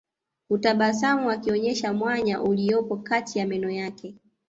Hutabasamu akionesha mwanya uliopo kati ya meno yake